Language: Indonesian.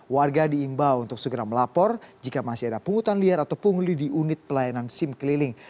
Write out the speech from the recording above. warga diimbau untuk segera melapor jika masih ada pungutan liar atau pungli di unit pelayanan sim keliling